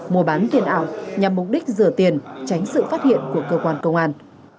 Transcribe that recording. mua bán tiền ảo nhằm mục đích rửa tiền tránh sự phát hiện của cơ quan công an